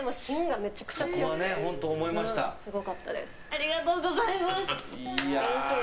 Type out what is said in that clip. ありがとうございます。